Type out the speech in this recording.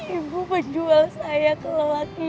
ibu menjual saya ke lelaki dumbelang